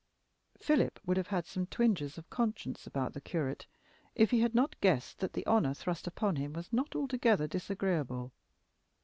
Philip would have had some twinges of conscience about the curate, if he had not guessed that the honor thrust upon him was not altogether disagreeable.